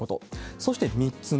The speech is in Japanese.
そして３つ目。